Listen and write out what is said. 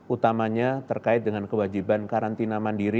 utamanya terkait dengan kewajiban karantina mandiri